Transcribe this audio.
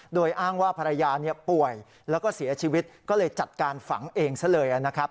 โดยอ้างว่าภรรยาป่วยแล้วก็เสียชีวิตก็เลยจัดการฝังเองซะเลยนะครับ